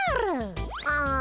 ああ